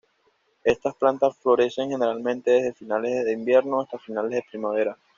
Estas plantas florecen generalmente desde finales de invierno hasta finales de primavera.